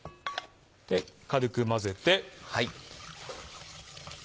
軽く混ぜて。